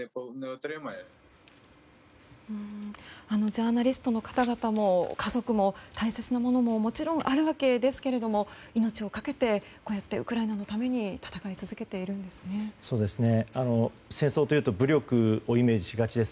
ジャーナリストの方々も家族も大切な物ももちろんあるわけですけど命を懸けてこうやってウクライナのために戦い続けているんですね。